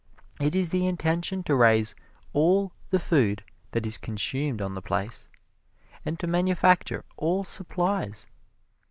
It is the intention to raise all the food that is consumed on the place, and to manufacture all supplies.